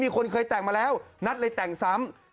คนเคยแต่งมาแล้วนัทเลยแต่งซ้ำ